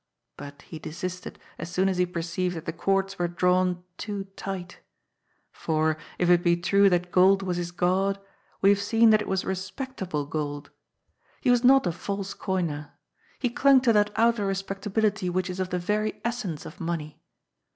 But he desisted as soon as he perceived that the cords were drawn too tight For, if it be true that gold was his god, we have seen that it was respectable gold. He was not TREATS OF RELIGION. 195 a false coiner. He clung to that outer respectability which, is of the very essence of money.